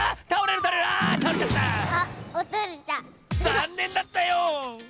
ざんねんだったよ！